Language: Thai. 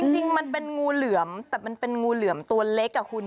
จริงมันเป็นงูเหลือมแต่มันเป็นงูเหลือมตัวเล็กอ่ะคุณ